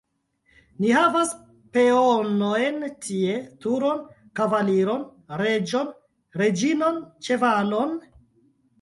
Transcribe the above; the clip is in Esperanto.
Ni havas peonojn tie, turon, kavaliron, reĝon, reĝinon ĉevalon?